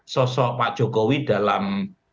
sosok pak jokowi dalam